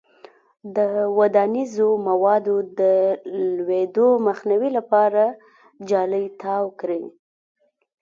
د ودانیزو موادو د لویدو مخنیوي لپاره جالۍ تاو کړئ.